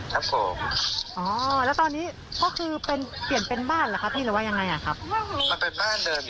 มันเป็นบ้านเดิมอยู่แล้วครับแล้วก็เปลี่ยนมาทำเป็นโรงพยาบาลเล็ก